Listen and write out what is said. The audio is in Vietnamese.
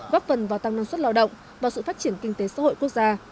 góp phần vào tăng năng suất lao động và sự phát triển kinh tế xã hội quốc gia